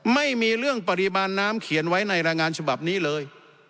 ไม่มีเรื่องปริมาณน้ำเขียนไว้ในรายงานฉบับนี้เลย